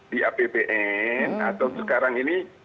di apbn atau sekarang ini